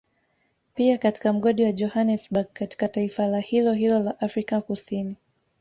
Pia katika mgodi wa Johanesberg katika taifa la hilohilo la Afrika kusini